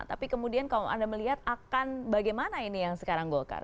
tapi kemudian kalau anda melihat akan bagaimana ini yang sekarang golkar